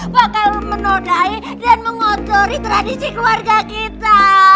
bakal menodai dan mengotori tradisi keluarga kita